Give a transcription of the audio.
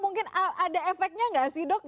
mungkin ada efeknya nggak sih dok